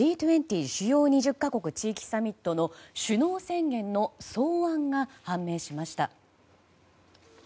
・主要２０か国・地域サミットの首脳宣言の草案が判明しました。